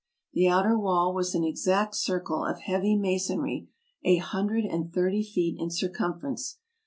The outer wall was an exact circle of heavy masonry a hundred and thirty feet in circumference.